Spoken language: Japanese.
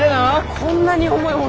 こんなに重いもの